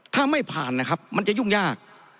ถ้าไม่ผ่านนะครับมันจะยุ่งยาก